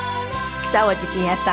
北大路欣也さん